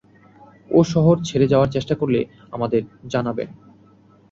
ও শহর ছেড়ে যাওয়ার চেষ্টা করলে আমাদের জানাবেন।